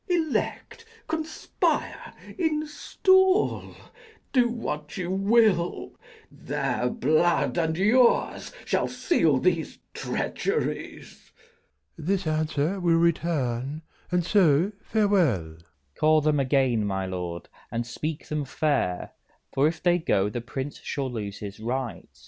Elect, conspire, install, do what you will: Their blood and yours shall seal these treacheries. Bish. of Win. This answer we'll return; and so, farewell. [Going with Trussel. Leices. Call them again, my lord, and speak them fair; For, if they go, the prince shall lose his right.